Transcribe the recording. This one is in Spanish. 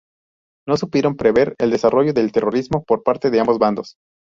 No supieron prever el desarrollo del terrorismo por parte de ambos bandos.